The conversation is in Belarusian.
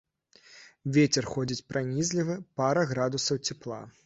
Вецер ходзіць пранізлівы, пара градусаў цяпла.